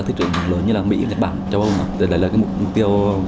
thị trường mới